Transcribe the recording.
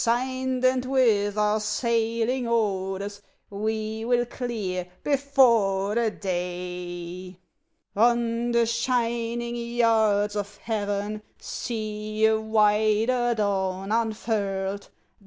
Signed, and with our sailing orders, We will clear before the day; On the shining yards of heaven See a wider dawn unfurled....